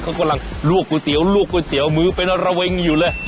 เขากำลังลวกก๋วยเตี๋ยวลวกก๋วยเตี๋ยวมือเป็นระเวงอยู่เลย